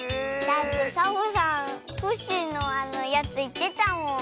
だってサボさんコッシーのやついってたもん。